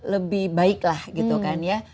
lebih baik lah gitu kan ya